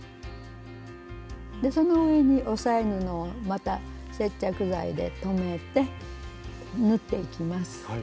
その上に押さえ布をまた接着剤で留めて縫っていきます。